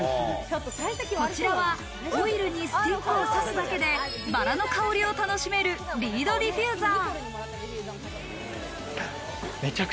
こちらはオイルにスティックをさすだけでバラの香りを楽しめるリードディフューザー。